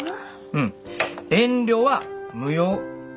うん遠慮は無用。